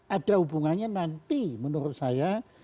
ada hubungannya nanti menurut saya